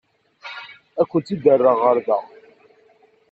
Ad kent-id-rreɣ ɣer da.